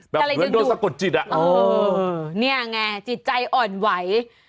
เหมือนโดนสะกดจิตอ่ะเออเนี่ยไงจิตใจอ่อนไหว